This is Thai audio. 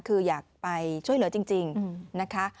คืออยากไปช่วยเหลือจริงนะคะ